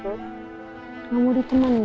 gimana mau ditemani